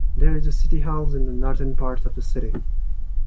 There is a city hall in the northern part of the city.